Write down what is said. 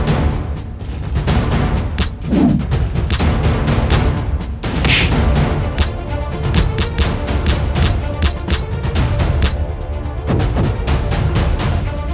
aku akan melihatnya